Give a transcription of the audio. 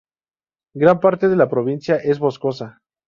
Gran parte de la provincia es boscosa.